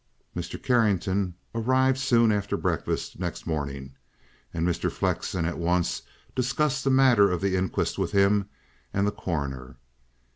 Mr. Carrington arrived soon after breakfast next morning, and Mr. Flexen at once discussed the matter of the inquest with him and the Coroner.